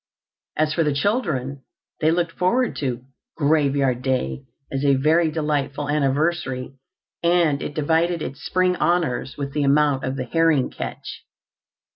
As for the children, they looked forward to "Graveyard Day" as a very delightful anniversary, and it divided its spring honours with the amount of the herring catch.